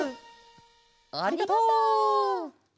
ありがとう！